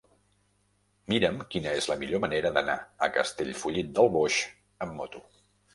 Mira'm quina és la millor manera d'anar a Castellfollit del Boix amb moto.